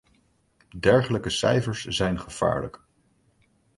Dergelijke cijfers zijn gevaarlijk.